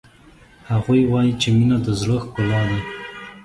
هغوی وایي چې مینه د زړه ښکلا ده